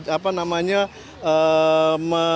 jadi bentuk punishment nya adalah kita memberitahu saja